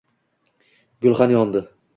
Gulxan yondi